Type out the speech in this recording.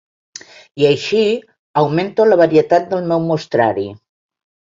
I així augmento la varietat del meu mostrari.